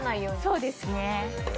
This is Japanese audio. そうですね。